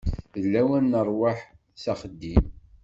D lawan n rrwaḥ s axeddim.